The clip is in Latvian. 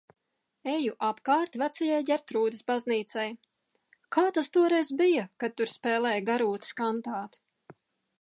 Eju apkārt Vecajai Ģertrūdes baznīcai. Kā tas toreiz bija, kad tur spēlēja Garūtas kantāti?